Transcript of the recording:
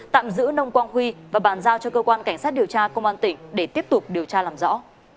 tạm giữ nông quang huy và bàn giao cho cơ quan cảnh sát điều tra công an tỉnh để tiếp tục điều tra làm rõ